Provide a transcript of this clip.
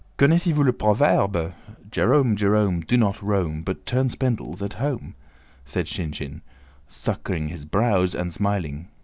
"Connaissez vous le Proverbe:* 'Jerome, Jerome, do not roam, but turn spindles at home!'?" said Shinshín, puckering his brows and smiling.